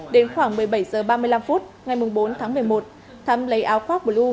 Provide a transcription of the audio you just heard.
đến khoảng một mươi bảy h ba mươi năm phút ngày bốn tháng một mươi một thắm lấy áo khoác một mươi năm